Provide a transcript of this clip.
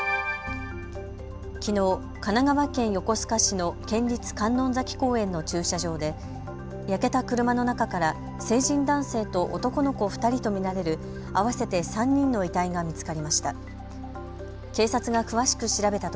きのう神奈川県横須賀市の県立観音崎公園の駐車場で焼けた車の中から成人男性と男の子２人と見られる合わせて３人の遺体が見つかりました。